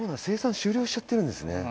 生産終了しちゃってるんですね」